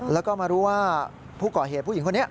แล้วก็มารู้ว่าผู้ก่อเหตุผู้หญิงคนนี้